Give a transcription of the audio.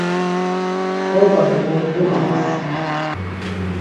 Korba miğurğulams.